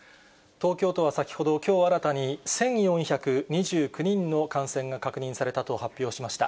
東京都は先ほど、きょう新たに１４２９人の感染が確認されたと発表しました。